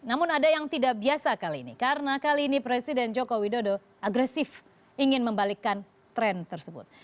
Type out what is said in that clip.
namun ada yang tidak biasa kali ini karena kali ini presiden joko widodo agresif ingin membalikkan tren tersebut